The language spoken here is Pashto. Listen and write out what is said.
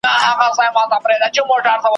چي اغږلی یې د شر تخم په ذات دی ,